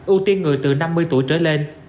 ưu tiên người từ năm mươi tuổi trở lên